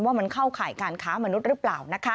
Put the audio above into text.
ว่ามันเข้าข่ายการค้ามนุษย์หรือเปล่า